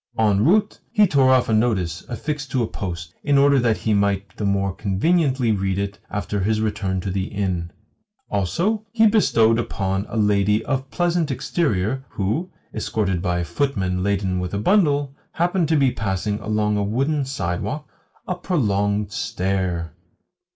En route he tore off a notice affixed to a post, in order that he might the more conveniently read it after his return to the inn. Also, he bestowed upon a lady of pleasant exterior who, escorted by a footman laden with a bundle, happened to be passing along a wooden sidewalk a prolonged stare.